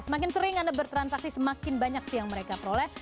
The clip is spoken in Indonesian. semakin sering anda bertransaksi semakin banyak sih yang mereka peroleh